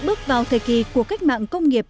bước vào thời kỳ của cách mạng công nghiệp